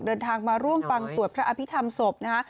เดินทางมาร่วมฟังสวดพระอภิษฐรรมศพนะฮะ